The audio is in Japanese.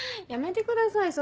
やめてください